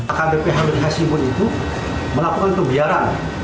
akbp ahirudin hasibuan itu melakukan tubiaran